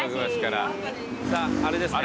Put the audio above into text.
さああれですね。